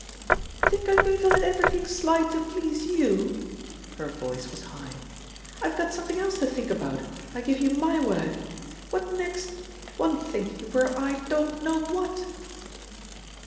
Think I'm going to let everything slide to please you?^* Her voice was high. "I've got something else to think about, I give you my word! What next? One'd think you were i don't know what!"